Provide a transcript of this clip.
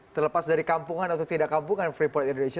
terlepas dari kampungan atau tidak kampungan freeport indonesia